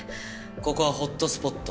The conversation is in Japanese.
ここはホットスポット。